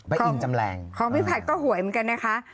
อินจำแรงของพี่ผัดก็หวยเหมือนกันนะคะ